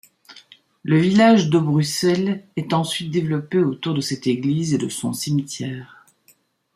Le village d'Obbrussel s'est ensuite développé autour de cette église et de son cimetière.